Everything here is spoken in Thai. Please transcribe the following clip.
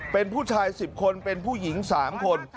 เป็นผู้ชาย๑๐คนเป็นผู้หญิง๓คน